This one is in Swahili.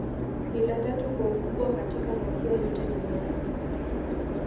Ni la tatu kwa ukubwa katika maziwa yote Duniani